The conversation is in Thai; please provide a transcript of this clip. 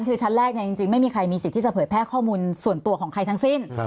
คือชั้นแรกจริงไม่มีใครมีสิทธิ์ที่จะเผยแพร่ข้อมูลส่วนตัวของใครทั้งสิ้น